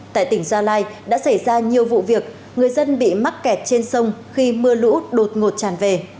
tại tỉnh gia lai đã xảy ra nhiều vụ việc người dân bị mắc kẹt trên sông khi mưa lũ đột ngột tràn về